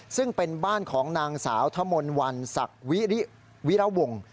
ซึ่งเป็นบ้านของนางสาวธมนต์วันศักดิ์วิระวง